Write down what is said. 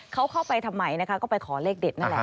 เขาเข้าไปทำไมนะคะก็ไปขอเลขเด็ดนั่นแหละ